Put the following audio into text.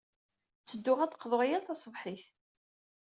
Ttedduɣ ad d-qḍuɣ yal taṣebḥit.